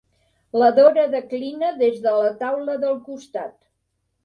La Dora declina des de la taula del costat.